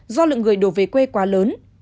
do lượng người đổ về quê quá lớn